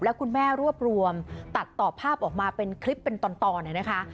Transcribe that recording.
แล้วคุณแม่รวบรวมตัดต่อภาพออกมาเป็นคลิปเป็นตอนเนี่ยนะคะ